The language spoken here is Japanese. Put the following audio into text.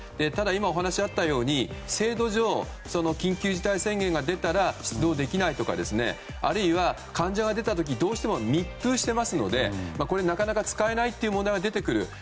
ただ、今、お話があったように制度上緊急事態宣言が出たら出動できないとかあるいは患者が出た時どうしても密封してますのでなかなか使えないという問題が出てくる。